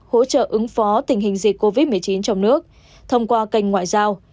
hỗ trợ ứng phó tình hình dịch covid một mươi chín trong nước thông qua kênh ngoại giao